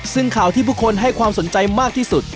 ซึ่งข่าวที่ผู้คนให้ความสนใจมากที่สุด